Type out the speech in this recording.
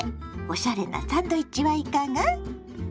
おしゃれなサンドイッチはいかが？